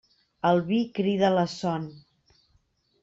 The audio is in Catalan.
El vi crida la son.